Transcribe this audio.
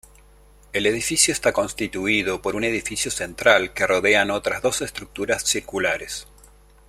El edificio está constituido por un edificio central que rodean otras dos estructuras circulares.